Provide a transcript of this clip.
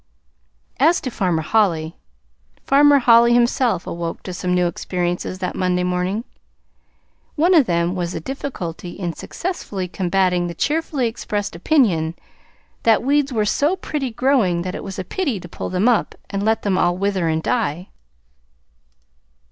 As to Farmer Holly Farmer Holly himself awoke to some new experiences that Monday morning. One of them was the difficulty in successfully combating the cheerfully expressed opinion that weeds were so pretty growing that it was a pity to pull them up and let them all wither and die.